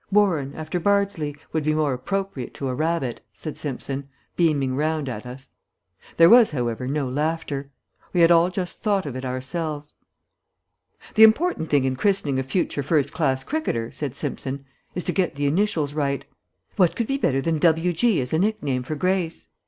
"'Warren,' after Bardsley, would be more appropriate to a Rabbit," said Simpson, beaming round at us. There was, however, no laughter. We had all just thought of it ourselves. "The important thing in christening a future first class cricketer," said Simpson, "is to get the initials right. What could be better than 'W. G.' as a nickname for Grace?